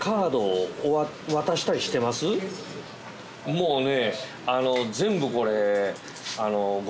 もうね。